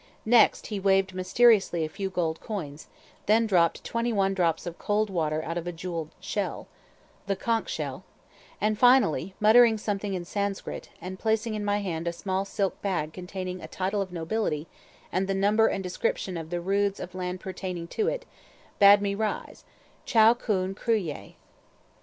Next he waved mysteriously a few gold coins, then dropped twenty one drops of cold water out of a jewelled shell, [Footnote: The conch, or chank shell] and finally, muttering something in Sanskrit, and placing in my hand a small silk bag containing a title of nobility and the number and description of the roods of lands pertaining to it, bade me rise, "Chow Khoon Crue Yai"!